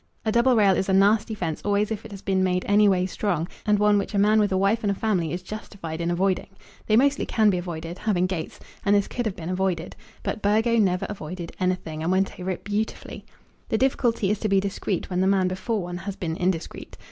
A double rail is a nasty fence always if it has been made any way strong, and one which a man with a wife and a family is justified in avoiding. They mostly can be avoided, having gates; and this could have been avoided. But Burgo never avoided anything, and went over it beautifully. The difficulty is to be discreet when the man before one has been indiscreet.